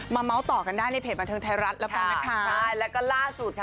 มาเมาส์ต่อกันได้ในเพจบันเทิงไทยรัฐแล้วก็ล่าสุดค่ะ